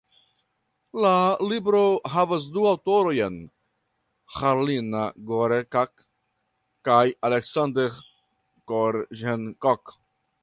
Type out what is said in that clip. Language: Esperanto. La libro havas du aŭtorojn, Halina Gorecka kaj Aleksander Korĵenkov.